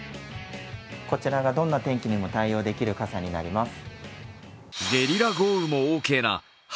こちらがどんな天気にも対応できる傘になります。